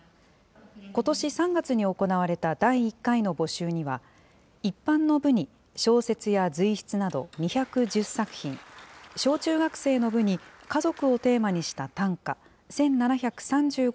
ことし３月に行われた第１回の募集には、一般の部に、小説や随筆など２１０作品、小中学生の部に、家族をテーマにした短歌１７３５